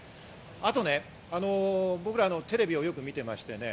あと僕らテレビをよく見てましたね。